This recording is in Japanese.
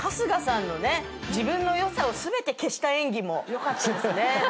自分のよさを全て消した演技もよかったですね。